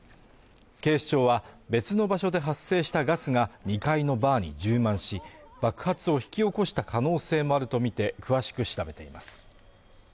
警視庁は別の場所で発生したガスが２階のバーに充満し、爆発を引き起こした可能性もあるとみて詳しく調べています。